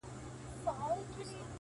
گرانه شاعره صدقه دي سمه ـ